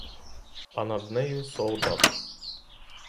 А над нею солдат.